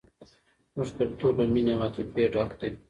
زموږ کلتور له مینې او عاطفې ډک دی.